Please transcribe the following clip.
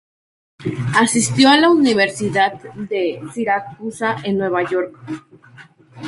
Asistió a la Universidad de Siracusa en Nueva York.